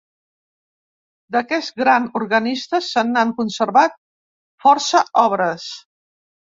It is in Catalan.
D'aquest gran organista, se n'han conservat força obres.